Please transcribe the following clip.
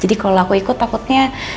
jadi kalau aku ikut takutnya